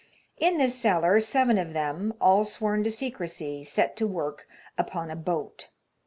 In this cellar seven of them — all sworn to secrecy — set to work upon a boat.